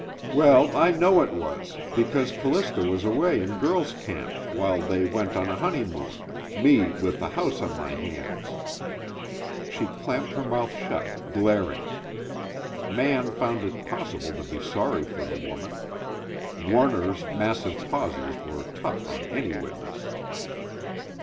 "Well, I know it was, because C'lista was away in girls' camp while they went on a honeymoon, me with the house on my hands " she clamped her mouth shut, glaring. Mann found it possible to be sorry for the woman. Warner's massive pauses were tough on any witness.